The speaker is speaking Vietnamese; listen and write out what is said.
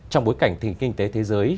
trong bối cảnh thì kinh tế thế giới